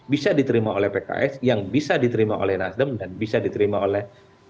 bisa diterima oleh pks yang bisa diterima oleh nasdem dan bisa diterima oleh